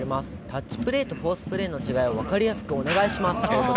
タッチプレーとフォースプレーの違いを分かりやすくお願いします。